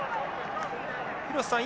廣瀬さん